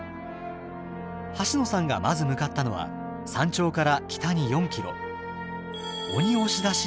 はしのさんがまず向かったのは山頂から北に４ｋｍ。